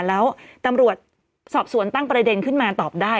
แล้วตำรวจสอบสวนตั้งประเด็นขึ้นมาตอบได้